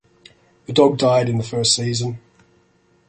The dog died in the first season.